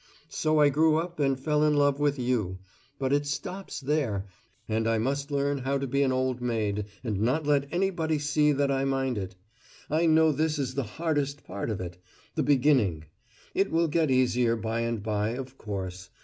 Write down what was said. So I grew up and fell in love with You but it stops there, and I must learn how to be an Old Maid and not let anybody see that I mind it. I know this is the hardest part of it, the beginning: it will get easier by and by, of course.